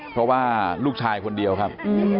เพราะว่าลูกชายคนเดียวครับ